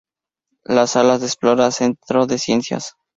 Las salas de Explora Centro de Ciencias